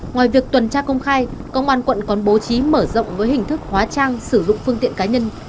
ngoài việc tuần tra công khai công an quận còn bố trí mở rộng với hình thức hóa trang sử dụng phương tiện cá nhân